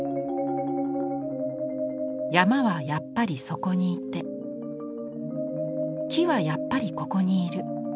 「やまはやっぱりそこにいてきはやっぱりここにいる。